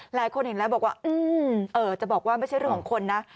หลายคนเห็นแล้วบอกว่าจะบอกว่าไม่ใช่เรื่องของคนนะ